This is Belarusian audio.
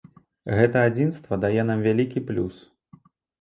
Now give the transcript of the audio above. Гэта адзінства дае нам вялікі плюс.